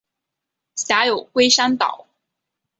辖有龟山岛。